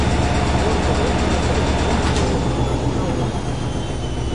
Korpo rekte kaj busto antaŭen.